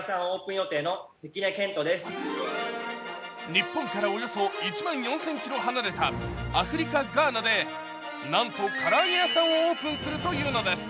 日本からおよそ１万４０００ｋｍ離れたアフリカ・ガーナでなんと唐揚げ屋さんをオープンするというのです。